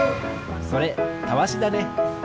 それたわしだね。